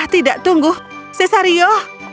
tidak tunggu cesario